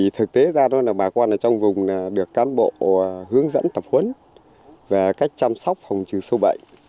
thực tế ra đó là bà con ở trong vùng được cán bộ hướng dẫn tập huấn về cách chăm sóc phòng trừ sâu bệnh